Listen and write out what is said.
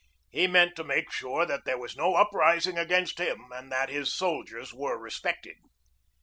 He meant to make sure that there was no uprising against him and that his soldiers were respected.